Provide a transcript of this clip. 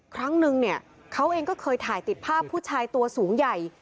ครั้งนึงเนี่ยเขาเองก็เคยถ่ายติดภาพผู้ชายตัวสูงใหญ่